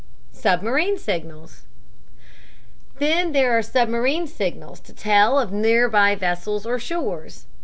SUBMARINE SIGNALS Then there are submarine signals to tell of near by vessels or shores.